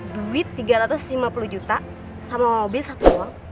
duit tiga ratus lima puluh juta sama mobil satu uang